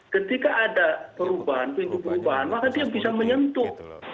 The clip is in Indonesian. ketika ada perubahan pintu perubahan maka dia bisa menyentuh